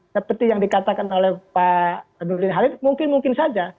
seperti yang dikatakan oleh pak nurdin halid mungkin mungkin saja